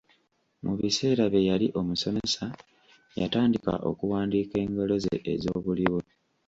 Mu biseera bye yali omusomesa, yatandika okuwandika engero ze ez'obuliwo